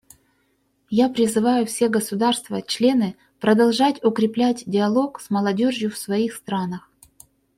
Я призываю все государства-члены продолжать укреплять диалог с молодежью в своих странах.